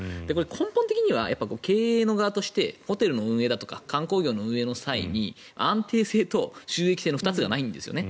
根本的には経営の側としてホテルの運営だとか観光業の運営の際に安定性と収益性の２つがないんですね。